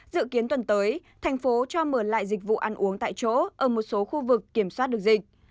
dự kiến tuần tới thành phố cho mở lại dịch vụ ăn uống tại chỗ ở một số khu vực kiểm soát được dịch